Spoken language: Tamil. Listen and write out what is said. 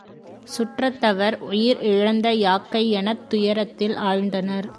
சுற்றத்தவர் உயிர் இழந்த யாக்கை எனத் துயரத்தில் ஆழ்ந்தனர்.